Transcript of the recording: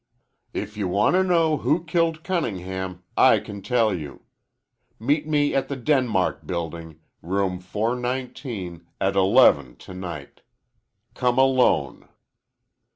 If you want to know who killed Cuningham i can tell you. Meet me at the Denmark Bilding, room 419, at eleven tonight. Come alone.